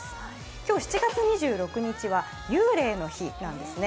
今日７月２６日は幽霊の日なんですね